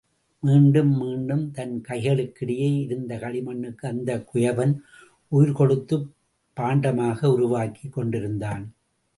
மீண்டும், மீண்டும், தன் கைகளுக்கிடையே இருந்த களிமண்ணுக்கு அந்தக் குயவன் உயிர் கொடுத்துப் பாண்டமாக உருவாக்கிக் கொண்டிருந்தான்.